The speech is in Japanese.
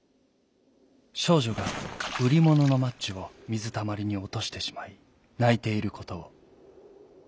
しょうじょがうりもののマッチをみずたまりにおとしてしまいないていることを。